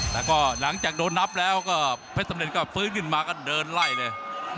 แล้วก็หลังจากโดนนับแล้วก็เพชรสำเร็จก็ฟื้นขึ้นมาก็เดินไล่เลย